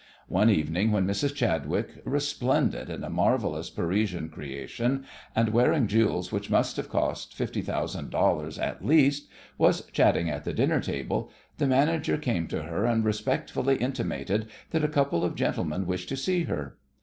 One evening when Mrs. Chadwick, resplendent in a marvellous Parisian creation, and wearing jewels which must have cost fifty thousand dollars at least, was chatting at the dinner table, the manager came to her and respectfully intimated that a couple of gentlemen wished to see her.